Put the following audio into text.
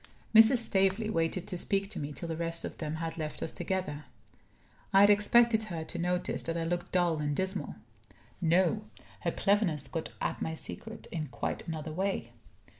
Mrs. Staveley waited to speak to me till the rest of them had left us together. I had expected her to notice that I looked dull and dismal. No! her cleverness got at my secret in quite another way.